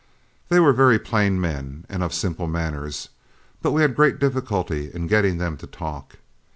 They were very plain men and of simple manners, but we had great difficulty in getting them to talk.